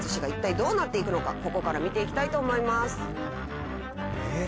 ここから見ていきたいと思います。